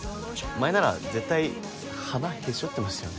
前なら絶対鼻へし折ってましたよね？